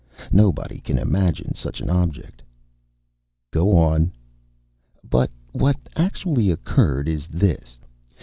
Nobody can imagine such an object." "Go on." "But what actually occurred is this.